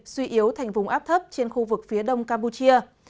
suy yếu thành vùng áp thấp trên khu vực phía đông campuchia